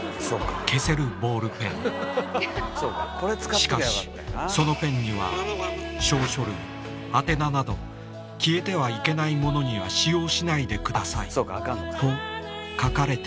しかしそのペンには「証書類・宛名など消えてはいけないものには使用しないでください」と書かれている